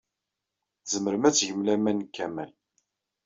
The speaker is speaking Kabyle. Tzemrem ad tgem laman deg Kamal.